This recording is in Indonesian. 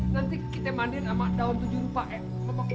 nanti kita mandiin sama daun tujuh rupa ya